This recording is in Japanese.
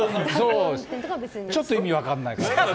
ちょっと意味分かんないかな。